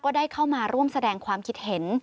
ได้เข้ามาร่วมแสดงความคิดเห็น